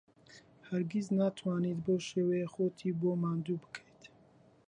هەرگیز ناتوانیت بەو شێوەیە خۆتی بۆ ماندوو بکەیت.